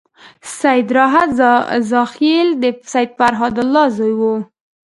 سید راحت زاخيلي د سید فریح الله زوی و.